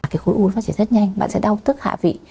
cái khối u nó phát triển rất nhanh bạn sẽ đau tức hạ vị